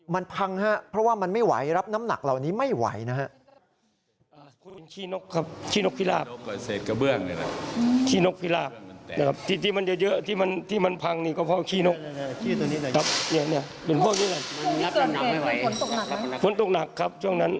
มันพังฮะเพราะว่ามันไม่ไหวรับน้ำหนักเหล่านี้ไม่ไหวนะฮะ